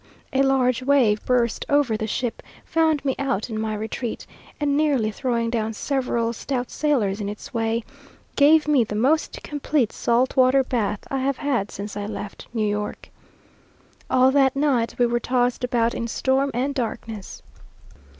a large wave burst over the ship, found me out in my retreat, and nearly throwing down several stout sailors in its way, gave me the most complete salt water bath I have had since I left New York. All that night we were tossed about in storm and darkness.